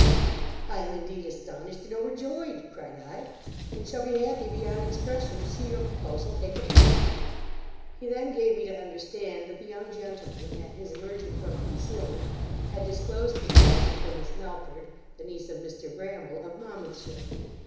'I am, indeed, astonished and overjoyed (cried I), and shall be happy beyond expression to see your proposal take effect.' He then gave me to understand that the young gentleman, at his emerging from concealment, had disclosed his passion for Miss Melford, the niece of Mr Bramble, of Monmouthshire.